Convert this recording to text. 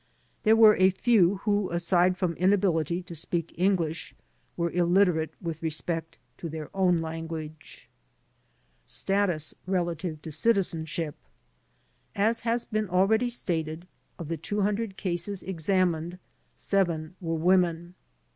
There were a few who aside from inability to speak English were illiterate with respect to their own language. Status Relative to Citizenship As has been already stated, of the 200 cases examined, 7 were women.